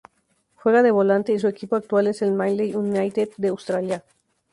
Juega de volante y su equipo actual es el Manley United de Australia.